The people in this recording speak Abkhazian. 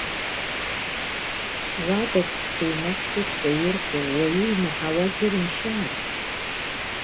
Уадак ҳҽыҩнаҳкит ҳәа ирҳәо уаҩы имаҳауа џьырымшьааит.